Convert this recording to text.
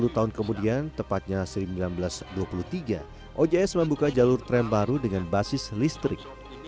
sepuluh tahun kemudian tepatnya seribu sembilan ratus dua puluh tiga ojs membuka jalur tram baru dengan basis listrik